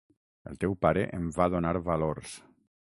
El teu pare em va donar valors.